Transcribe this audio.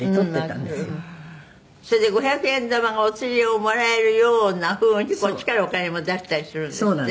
「それで五百円玉がお釣りをもらえるような風にこっちからお金も出したりするんですって？」